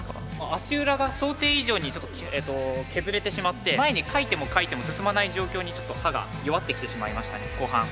足裏が想定以上にちょっと削れてしまって前にかいてもかいても進まない状況にちょっと刃が弱ってきてしまいましたね後半。